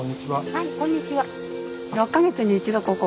はいこんにちは。